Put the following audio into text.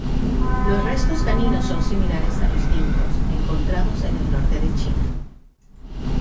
Los restos caninos son similares a los Dingos encontrados en el norte de China.